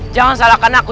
jangan salahkan aku